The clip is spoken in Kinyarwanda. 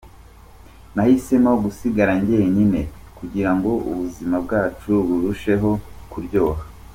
Nahisemo gusigara njyenyine kugirango ubuzima bwacu burusheho kuryoha.